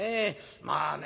まあね